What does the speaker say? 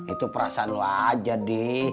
itu perasaan lo aja d